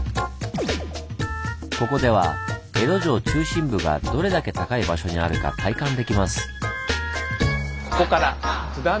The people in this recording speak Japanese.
ここでは江戸城中心部がどれだけ高い場所にあるか体感できます。